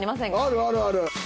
あるあるある！